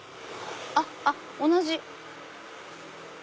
あっ同じ。